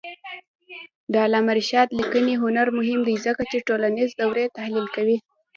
د علامه رشاد لیکنی هنر مهم دی ځکه چې ټولنیز دورې تحلیل کوي.